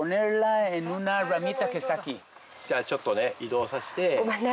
・じゃあちょっと移動させて・ごめんね。